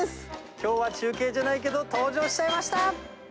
きょうは中継じゃないけど、登場しちゃいました。